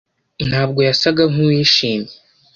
ntabwo yasaga nkuwishimye